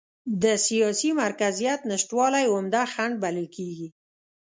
د سیاسي مرکزیت نشتوالی عمده خنډ بلل کېږي.